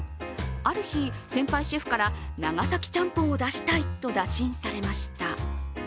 ある日先輩シェフから長崎ちゃんぽんを出したいと打診されました。